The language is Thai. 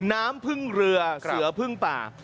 น้ำพึ่งเรือเสือพึ่งป่า